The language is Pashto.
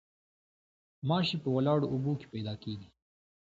ماشي په ولاړو اوبو کې پیدا کیږي